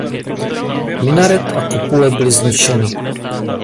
Minaret a kupole byly zničeny.